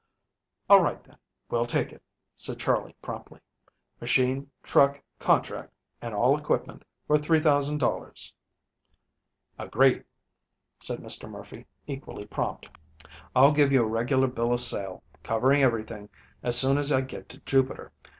"All right, then; we'll take it," said Charley promptly. "Machine, truck, contract, and all equipment for $3,000." "Agreed," said Mr. Murphy, equally prompt. "I'll give you a regular bill of sale, covering everything, as soon as I get to Jupiter.